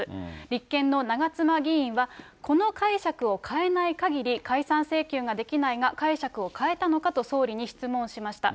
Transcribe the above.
立憲の長妻議員は、この解釈を変えないかぎり解散請求ができないが、解釈を変えたのかと総理に質問しました。